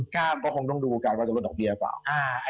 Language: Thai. ก็คงต้องดูการประสบรวดดอกเบี้ยหรือเปล่า